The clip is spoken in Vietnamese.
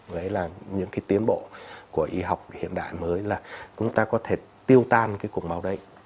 đấy là những cái tiến bộ của y học hiện đại mới là chúng ta có thể tiêu tan cái cục máu đấy